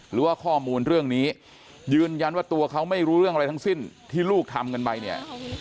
หรือว่าข้อมูลเรื่องนี้ยืนยันว่าตัวเขาไม่รู้เรื่องอะไรทั้งสิ้นที่ลูกทำกันไปเนี่ย